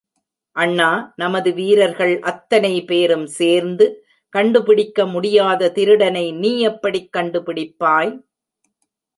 அண்ணா, நமது வீரர்கள் அத்தனைபேரும் சேர்ந்து கண்டு பிடிக்க முடியாத திருடனை நீ எப்படிக் கண்டுபிடிப்பாய்!